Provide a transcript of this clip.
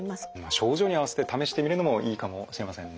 症状に合わせて試してみるのもいいかもしれませんね。